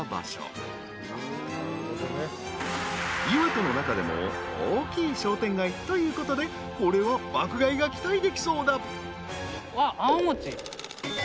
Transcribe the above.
［磐田の中でも大きい商店街ということでこれは爆買いが期待できそうだ］